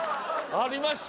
ありました。